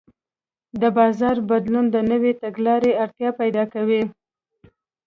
د بازار بدلون د نوې تګلارې اړتیا پیدا کوي.